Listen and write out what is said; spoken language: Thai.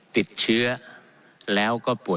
ติดเชื้อ